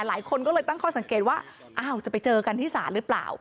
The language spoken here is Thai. หลายคนก็เลยตั้งข้อสังเกตว่าอ้าวจะไปเจอกันที่ศาลหรือเปล่า